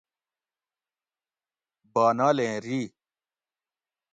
بانالیں ری